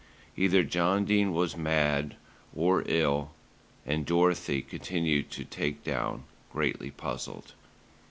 Either John Dene was mad or ill; and Dorothy continued to take down, greatly puzzled.